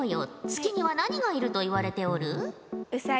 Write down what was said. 月には何がいるといわれておる？